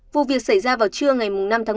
vụ việc xảy ra vào trưa ngày năm tháng một mươi hai